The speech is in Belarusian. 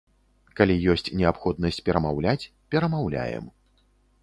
Калі ёсць неабходнасць перамаўляць, перамаўляем.